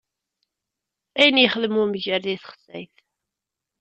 Ayen ixdem umger di texsayt.